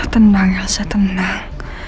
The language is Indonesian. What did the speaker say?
tenang elsa tenang